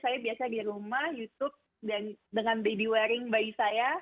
saya biasa di rumah youtube dan dengan baby wering bayi saya